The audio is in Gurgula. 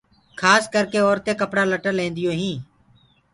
کاس ڪرِڪي اورتينٚ ڪپڙآ لٽآ ليديٚونٚ هينٚ